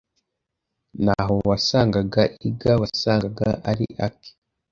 N’aho wasangaga iga wasangaga ari ake